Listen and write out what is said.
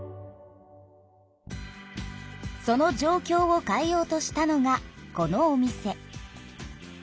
その状きょうを変えようとしたのがこのお店。